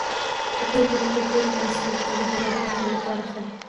په کور کې د کړکیو پرانیستل د تازه هوا د راتګ لپاره ښه دي.